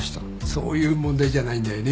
そういう問題じゃないんだよね。